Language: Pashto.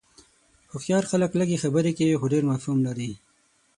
هوښیار خلک لږ خبرې کوي خو ډېر مفهوم لري.